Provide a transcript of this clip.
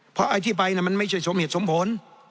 เพราะไอ้ที่ไปมันไม่ใช่สมเหตุสมผล